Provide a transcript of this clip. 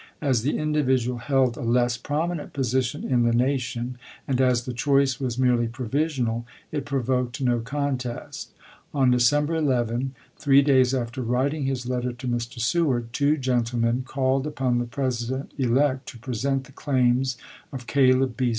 As the individual held a less prominent position in the nation, and as the choice was merely provisional, it provoked no con 18G0. test. On December 11, three days after writing his letter to Mr. Seward, two gentlemen called upon the President elect to present the claims of Caleb B.